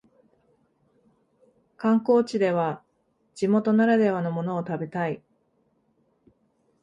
観光地では地元ならではのものを食べたい